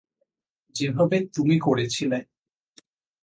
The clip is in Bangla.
যেভাবে তুমি করেছিলে।